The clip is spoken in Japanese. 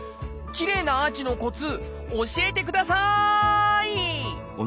きれいなアーチのコツ教えてください！